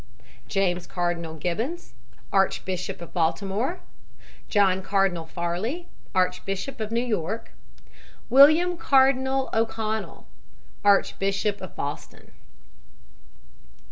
"JAMES CARDINAL GIBBONS," Archbishop of Baltimore. "JOHN CARDINAL FARLEY," Archbishop of New York. "WILLIAM CARDINAL O'CONNELL," Archbishop of Boston.